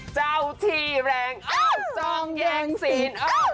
เจ้าที่แรงเอ้าจองแหยงศีลเอ้า